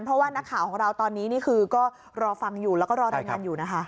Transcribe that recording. เพราะว่านักข่าวของเราตอนนี้นี่คือก็รอฟังอยู่แล้วก็รอรายงานอยู่นะคะ